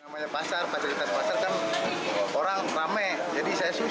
malah nyubit malah megang